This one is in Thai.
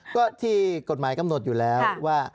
ก็ที่กฎหมายกำหนดอยู่แล้วว่า